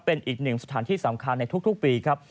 เป็นอีกหนึ่งสถานที่สำคัญในทุกปีครับ